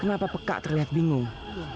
kenapa pekak terlihat bingung